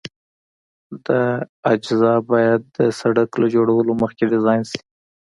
دا اجزا باید د سرک له جوړولو مخکې ډیزاین شي